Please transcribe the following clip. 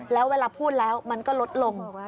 แล้วเวลาพูดแล้วมันก็ลดลง